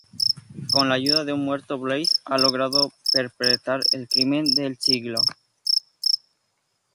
Con la ayuda de un muerto, Blaze ha logrado perpetrar el crimen del siglo.